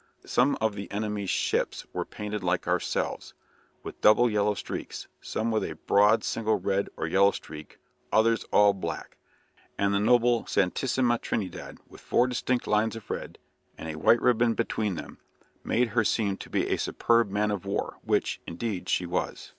Some of the enemy's ships were painted like ourselves with double yellow streaks, some with a broad single red or yellow streak, others all black, and the noble Santissima Trinidad with four distinct lines of red, with a white ribbon between them, made her seem to be a superb man of war, which, indeed, she was."